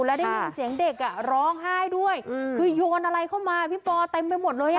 แล้วได้ยินเสียงเด็กอ่ะร้องไห้ด้วยคือโยนอะไรเข้ามาพี่ปอเต็มไปหมดเลยอ่ะ